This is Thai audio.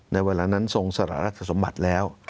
ในเวลานั้นทรงสารรัฐสมบัติแล้ว